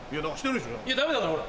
ダメだからほら。